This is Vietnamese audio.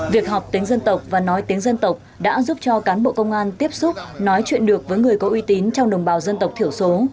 việc họp tiếng dân tộc và nói tiếng dân tộc đã giúp cho cán bộ công an tiếp xúc nói chuyện được với người có uy tín trong đồng bào dân tộc thiểu số